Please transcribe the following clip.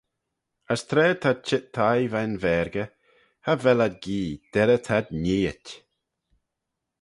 As tra t'ad çheet thie veih'n vargey, cha vel ad gee, derrey t'ad nieeit.